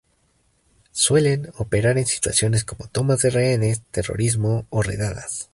Suelen operar en situaciones como tomas de rehenes, terrorismo o redadas.